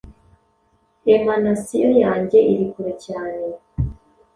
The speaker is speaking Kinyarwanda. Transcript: Emanasiyo yanjye iri kure cyane